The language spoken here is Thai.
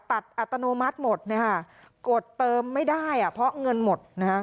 อัตโนมัติหมดกดเติมไม่ได้เพราะเงินหมดนะฮะ